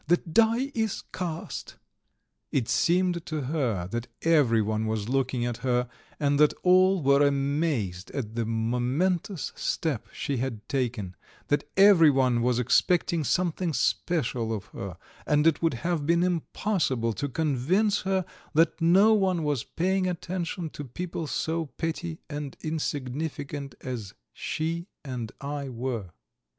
"The die is cast. ..." It seemed to her that everyone was looking at her, and that all were amazed at the momentous step she had taken, that everyone was expecting something special of her, and it would have been impossible to convince her that no one was paying attention to people so petty and insignificant as she and I were.